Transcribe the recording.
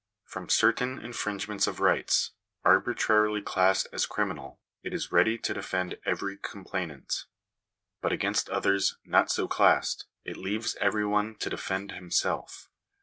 From certain infringements of rights, arbitrarily classed as criminal, it is ready to defend every complainant; but against others, not so classed, it leaves every one to defend himself.